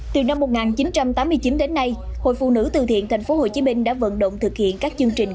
từ năm một nghìn chín trăm tám mươi chín đến nay hội phụ nữ từ thiện tp hcm đã vận động thực hiện các chương trình